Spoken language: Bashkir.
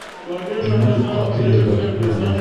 Имән ҡаты ергә төпләнер.